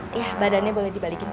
eh ya badannya boleh dibalikin pak